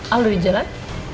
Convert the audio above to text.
aldo di jalan